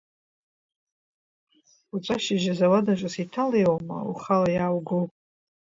Уаҵәы ашьыжь азауад аҿы сеиҭалеиуама, ухала иааугоу?